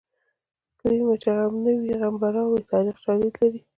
کرمیه چې غم نه وي غم به راوړې تاریخي شالید لري